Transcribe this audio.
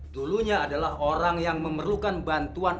dulunya adalah orang yang memerlukan bantuan